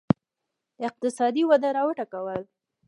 اقتصادي وده را وټوکول.